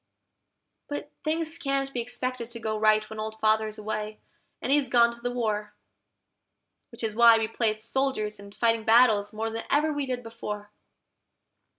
But things can't be expected to go right when Old Father's away, and he's gone to the war; Which is why we play at soldiers and fighting battles more than ever we did before.